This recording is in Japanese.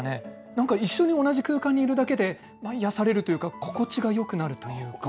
なんか一緒に同じ空間にいるだけで癒やされるというか、心地がよくなるというか。